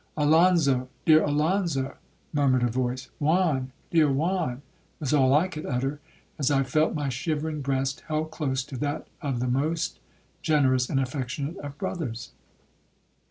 'Alonzo, dear Alonzo,' murmured a voice. 'Juan, dear Juan,' was all I could utter, as I felt my shivering breast held close to that of the most generous and affectionate of brothers.